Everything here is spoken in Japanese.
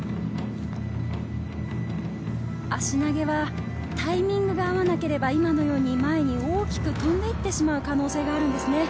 足投げはタイミングが合わなければ今のように前に大きく飛んでいってしまう可能性があるんですね。